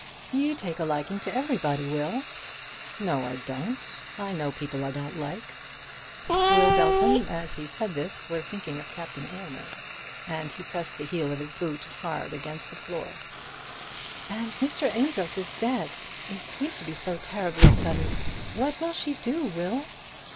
"You take a liking to everybody, Will." "No I don't. I know people I don't like." Will Belton as he said this was thinking of Captain Aylmer, and he pressed the heel of his boot hard against the floor. "And Mr. Amedroz is dead! It seems to be so terribly sudden. What will she do, Will?"